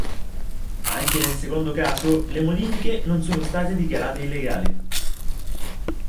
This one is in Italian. Anche nel secondo caso, le modifiche non sono state dichiarate illegali.